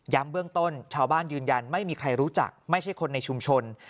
เบื้องต้นชาวบ้านยืนยันไม่มีใครรู้จักไม่ใช่คนในชุมชน